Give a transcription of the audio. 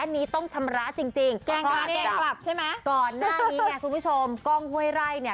นี่ไงคุณผู้ชมก้องห้วยไล่เนี่ย